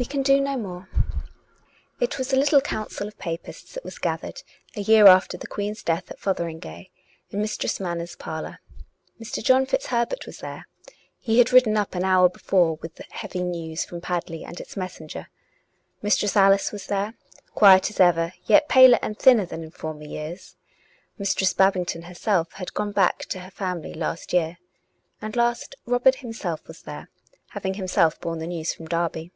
" We can do no more." It was a little council of Papists that was gathered — a year after the Queen's death at Fotheringay — in Mistress Manners' parlour. Mr. John FitzHerbert was there; he had ridden up an hour before with heavy news from Pad ley and its messenger. Mistress Alice was there, quiet as ever, yet paler and thinner than in former years (Mis tress Babington herself had gone back to her family last year). And, last, Robin himself was there, having himself borne the news from Derby.